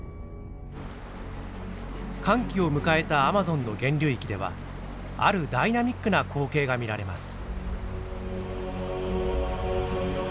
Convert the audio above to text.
乾季を迎えたアマゾンの源流域ではあるダイナミックな光景が見られます。